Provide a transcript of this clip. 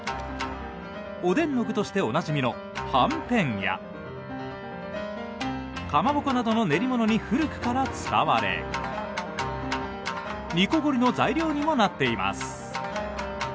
おでんの具としておなじみのはんぺんやかまぼこなどの練りものに古くから使われ煮こごりの材料にもなっています。